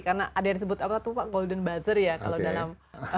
karena ada yang sebut apa tuh pak golden buzzer ya kalau dalam